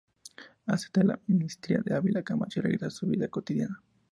Acepta la amnistía de Ávila Camacho y regresa a su vida cotidiana.